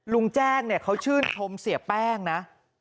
ลุงแจ้งเนี่ยเขาชื่นชมเสียแป้งนะ